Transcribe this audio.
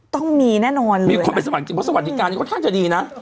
ต้องมีแน่นอนมีคนไปสมัครจริงเพราะสวัสดิการนี้ค่อนข้างจะดีนะ